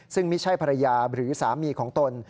ซึ่งไม่ใช่ภรรยาหรือสามีของตน